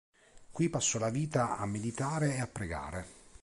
Qui passò la vita a meditare e a pregare.